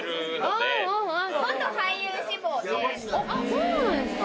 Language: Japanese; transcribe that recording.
そうなんですか。